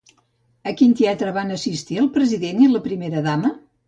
A quin teatre van assistir el president i la primera dama?